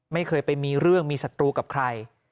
ไม่เคยไปมีเรื่องมีศัตรูกับใคร